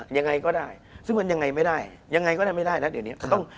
ยังไงก็ได้ซึ่งมันยังไงไม่ได้ยังไงก็ได้ไม่ได้แล้วเดี๋ยวนี้ต้อง